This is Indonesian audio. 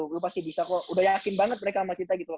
gue pasti bisa kok udah yakin banget mereka sama kita gitu loh